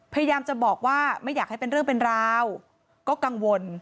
พยายามจะบอกว่าไม่อยากให้เป็นเรื่องเป็นราวก็กังวล